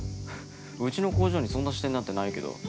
うちの工場に、そんな支店なんてないけど。